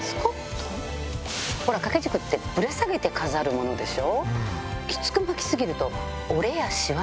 掛け軸ってぶら下げて飾るものでしょ。